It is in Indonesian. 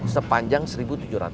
sepanjang seribu tujuh ratus